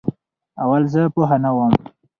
اول زه پوهه نه وم